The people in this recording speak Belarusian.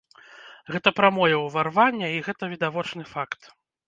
Гэта прамое ўварванне, і гэта відавочны факт.